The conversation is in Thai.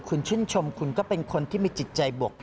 คุณชื่นชมคุณก็เป็นคนที่มีจิตใจบก